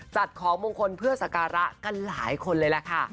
จัดของมงคลเพื่อสการะกันหลายคนเลยล่ะค่ะ